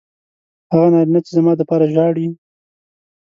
هغه نارینه چې زما دپاره ژاړي